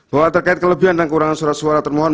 bahwa terkait kelebihan dan kekurangan surat suara termohon